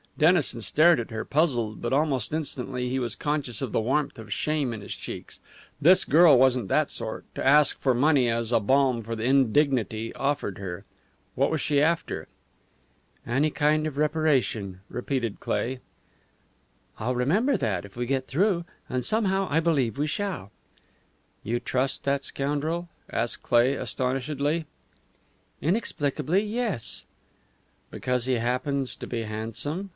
Dennison stared at her, puzzled, but almost instantly he was conscious of the warmth of shame in his cheeks. This girl wasn't that sort to ask for money as a balm for the indignity offered her. What was she after? "Any kind of reparation," repeated Cleigh. "I'll remember that if we get through. And somehow I believe we shall." "You trust that scoundrel?" asked Cleigh, astonishedly. "Inexplicably yes." "Because he happens to be handsome?"